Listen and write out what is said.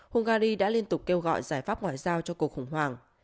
hungary đã liên tục kêu gọi giải pháp ngoại giao cho cuộc khủng hoảng